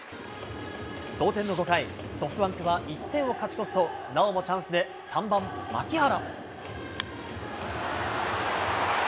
同点の５回、ソフトバンクは１点を勝ち越すと、なおもチャンスで３番牧原。